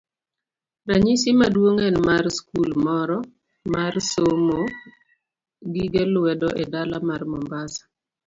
Ranyisi maduong' en mar skul moro mar somo gige lwedo e dala mar Mombasa.